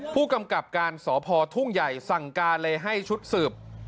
ผู้กำกับการสพทุ่งใหญ่สั่งการเลยให้ชุดสืบ